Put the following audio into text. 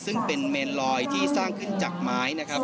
ซึ่งเป็นเมนลอยที่สร้างขึ้นจากไม้นะครับ